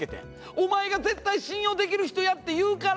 お前が絶対信用できる人やって言うから。